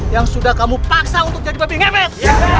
yang sudah kamu paksa untuk jadi babi ngepet